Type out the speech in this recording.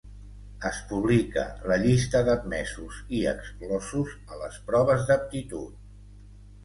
Es publica la llista d'admesos i exclosos a les proves d'aptitud.